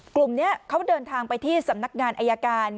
กลุ่มนี้เขาเดินทางไปที่สำนักงานอายการ